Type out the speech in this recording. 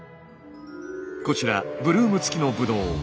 こちらブルーム付きのブドウ。